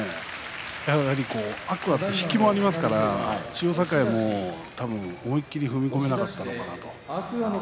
やはり天空海は引きもありますので千代栄も多分思い切り踏み込めなかったのかなと。